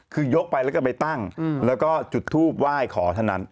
คือยกไปแล้วก็ไปตั้งแล้วก็จุดทูบไหว้ขอเท่านั้น